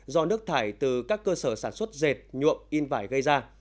do nước thải từ các cơ sở sản xuất dệt nhuộm in vải gây ra